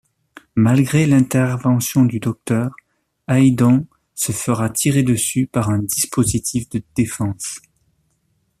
Malgré l'intervention du Docteur, Haydon se fera tirer dessus par un dispositif de défense.